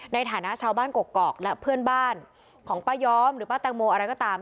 ในฐานะชาวบ้านกกอกและเพื่อนบ้านของป้าย้อมหรือป้าแตงโมอะไรก็ตาม